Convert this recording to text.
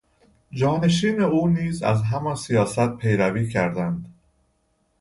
جانشینان او نیز از همان سیاست پیروی کردند.